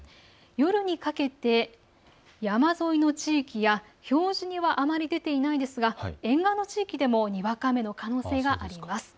夜にかけて山沿いの地域や表示にはあまり出ていないですが沿岸の地域でもにわか雨の可能性があります。